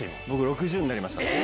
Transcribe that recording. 僕、６０になりました。